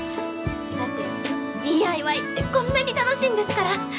だってＤＩＹってこんなに楽しいんですから。